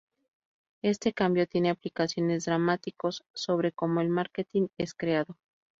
Este cambio tiene implicaciones dramáticos sobre como el marketing es creado.